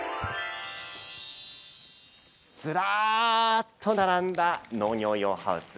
ずらーっと並んだ農業用ハウス。